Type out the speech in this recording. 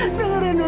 tidak akan pernah